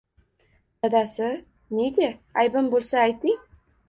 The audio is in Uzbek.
Dadasi, nega, aybim boʻlsa, ayting?